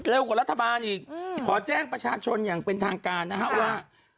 กว่ารัฐบาลอีกขอแจ้งประชาชนอย่างเป็นทางการนะฮะว่า